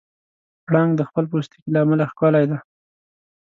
پړانګ د خپل پوستکي له امله ښکلی دی.